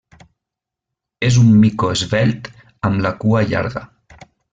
És un mico esvelt amb la cua llarga.